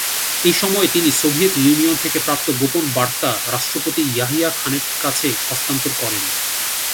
এ সময়ে তিনি Soviet Union থেকে প্রাপ্ত গোপন বার্তা রাষ্ট্রপতি ইয়াহিয়া খানের কাছে হস্তান্তর করেন।